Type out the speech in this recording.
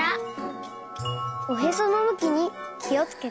おへそのむきにきをつけて。